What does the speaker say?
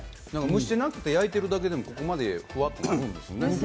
蒸してなくて焼いてるだけで、ここまでふわっとなるんですね。